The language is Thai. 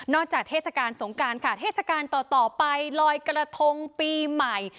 จากเทศกาลสงการค่ะเทศกาลต่อไปลอยกระทงปีใหม่